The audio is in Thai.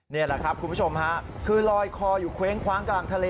นี่แหละครับคุณผู้ชมฮะคือลอยคออยู่เคว้งคว้างกลางทะเล